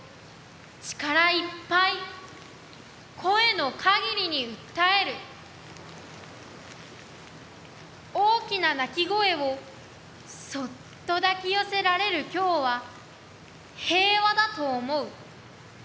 力一杯、声の限りに訴える大きな泣き声をそっと抱き寄せられる今日は、平和だと思う。